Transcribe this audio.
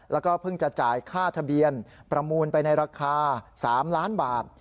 แล้วก็เพิ่งจะจ่ายค่าทะเบียนประมูลไปในราคา๓ล้านบาท